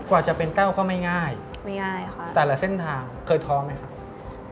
กว่าจะเป็นเต้าเขาไม่ง่ายแต่ละเส้นทางเคยท้อไหมครับ